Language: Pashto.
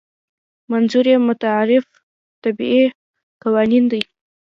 منظور یې متعارف طبیعي قوانین دي.